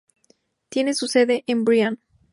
Tiene su sede en Bryan.